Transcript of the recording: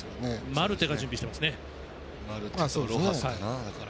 マルテが準備しています。